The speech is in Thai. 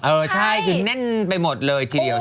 เออใช่คือแน่นไปหมดเลยทีเดียว